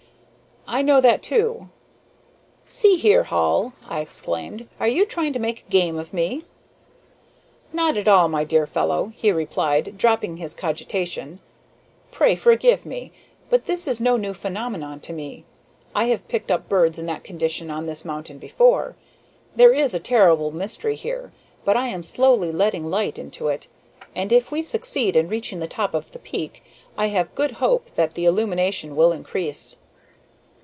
"I know that, too." "See here, Hall," I exclaimed, "are you trying to make game of me?" "Not at all, my dear fellow," he replied, dropping his cogitation. "Pray forgive me. But this is no new phenomenon to me. I have picked up birds in that condition on this mountain before. There is a terrible mystery here, but I am slowly letting light into it, and if we succeed in reaching the top of the peak I have good hope that the illumination will increase."